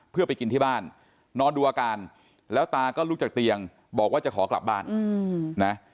เพื่อไปกินที่บ้านนอนดูอาการแล้วตาก็ลุกจากเตียงบอกว่าจะขอกลับบ้านนะ